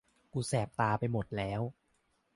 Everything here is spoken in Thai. กูแสบตาไปหมดแล้ว